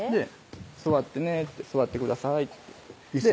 「座ってね座ってください」っていす